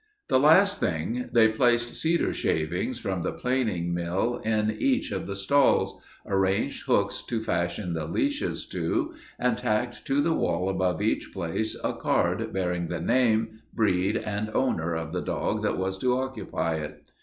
The last thing they placed cedar shavings from the planing mill in each of the stalls, arranged hooks to fasten the leashes to, and tacked to the wall above each place a card bearing the name, breed, and owner of the dog that was to occupy it.